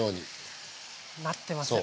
あっなってますね。